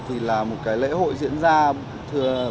thì là một cái lễ hội diễn ra